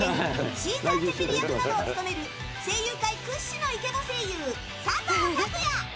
シーザー・ツェペリ役などを務める声優界屈指のイケボ声優佐藤拓也。